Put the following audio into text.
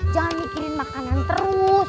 jangan mikirin makanan terus